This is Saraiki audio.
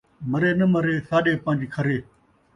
مرے ناں مرے ، ساݙے پن٘ج کھرے